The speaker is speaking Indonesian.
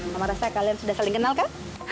pernah sampai kalian sudah saling kenal kan